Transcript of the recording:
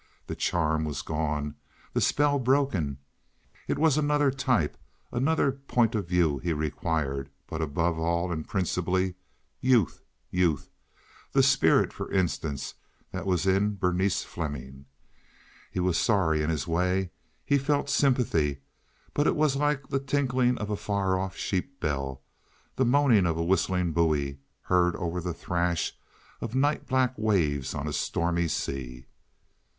The charm was gone, the spell broken. It was another type, another point of view he required, but, above all and principally, youth, youth—the spirit, for instance, that was in Berenice Fleming. He was sorry—in his way. He felt sympathy, but it was like the tinkling of a far off sheep bell—the moaning of a whistling buoy heard over the thrash of night black waves on a stormy sea.